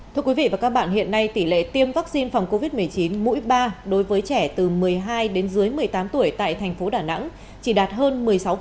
thưa quý vị và các bạn hiện nay tỷ lệ tiêm vaccine phòng covid một mươi chín mũi ba đối với trẻ từ một mươi hai đến dưới một mươi tám tuổi tại thành phố đà nẵng chỉ đạt hơn một mươi sáu